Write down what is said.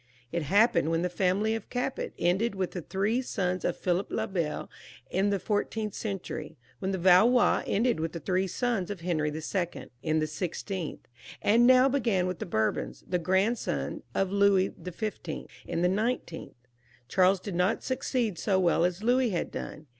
It happened when the family of Capet ended with the three sons of Philip le Bel, in the fourteenth century; when the Valois ended with the three sons of Henry II., in the sixteenth ; and now again with the Bourbons the grandsons of Louis XV., in the nineteenth. Charles did not succeed so well as Louis had done.